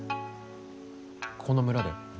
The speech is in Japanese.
この村で？